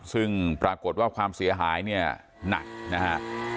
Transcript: ซึ่งปรากฏว่าความเสียหายเนี่ยหนักนะฮะ